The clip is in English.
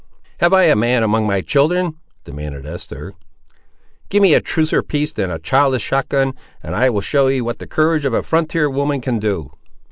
"Have I a man among my children?" demanded Esther. "Give me a truer piece than a childish shotgun, and I will show ye what the courage of a frontier woman can do!"